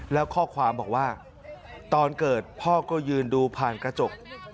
แล้วข้อความบอกว่าตอนเกิดพ่อก็ยืนดูผ่านกระจก